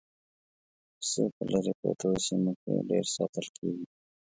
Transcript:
پسه په لرې پرتو سیمو کې ډېر ساتل کېږي.